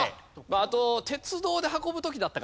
あと鉄道で運ぶ時だったかな？